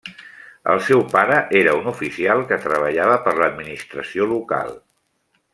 El seu pare era un oficial que treballava per l'administració local.